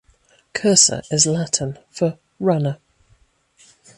Cursor is Latin for 'runner.